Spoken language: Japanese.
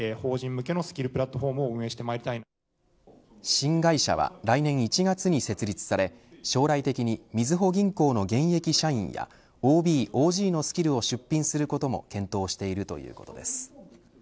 新会社は来年１月に設立され将来的にみずほ銀行の現役社員やＯＢ・ＯＧのスキルを出品することも検討しているということです。